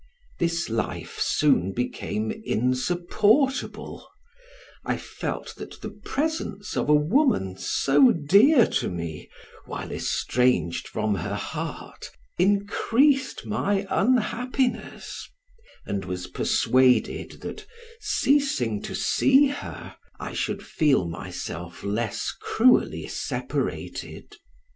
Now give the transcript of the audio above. This life soon became insupportable; I felt that the presence of a woman so dear to me, while estranged from her heart, increased my unhappiness, and was persuaded, that, ceasing to see her, I should feel myself less cruelly separated.